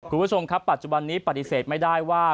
คุณผู้ชมครับปัจจุบันนี้ปฏิเสธไม่ได้ว่า